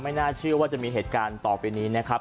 น่าเชื่อว่าจะมีเหตุการณ์ต่อไปนี้นะครับ